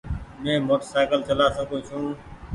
مينٚ موٽرسئيڪل چآلا سڪوُن ڇوٚنٚ